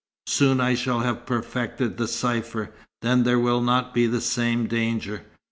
Soon I shall have perfected the cypher. Then there will not be the same danger.